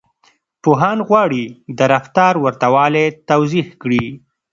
پوهان غواړي د رفتار ورته والی توضيح کړي.